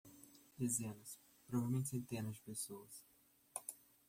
Dezenas, provavelmente centenas de pessoas.